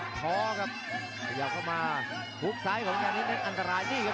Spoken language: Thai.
มีท้อครับขยับเข้ามาหุ้กซ้ายของอันนี้เป็นอันตรายดีครับ